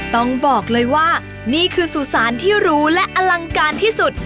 ต้องบอกเลยว่านี่คือสุสานที่รู้และอลังการที่สุด